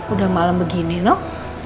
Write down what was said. udah malam begini noh